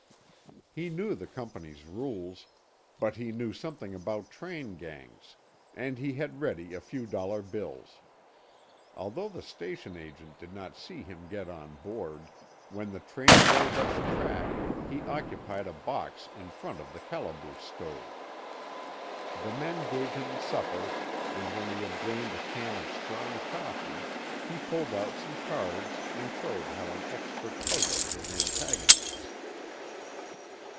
He knew the company's rules, but he knew something about train gangs, and he had ready a few dollar bills. Although the station agent did not see him get on board, when the train rolled up the track he occupied a box in front of the calaboose stove. The men gave him supper, and when he had drained a can of strong coffee he pulled out some cards and showed how an expert puzzled his antagonists.